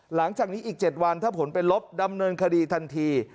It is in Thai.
หลังจากนี้อีก๗วันถ้าผลเป็นลบดำเนินคดีทันที